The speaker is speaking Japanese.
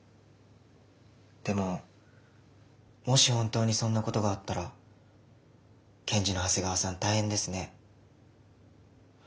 でももし本当にそんなことがあったら検事の長谷川さん大変ですね。